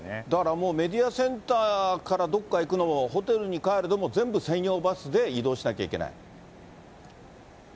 だからもう、メディアセンターからどっか行くのも、ホテルに帰るのも、全部専用バスで移動しなきゃいけない？